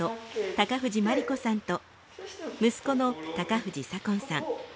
孝藤まりこさんと息子の孝藤左近さん。